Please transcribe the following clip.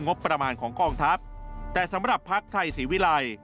งบประมาณของกองทัพแต่สำหรับภักดิ์ไทยศรีวิรัย